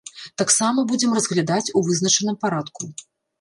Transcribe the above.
Таксама будзем разглядаць у вызначаным парадку.